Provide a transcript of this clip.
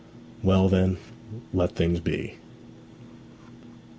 'Well, then, let things be.'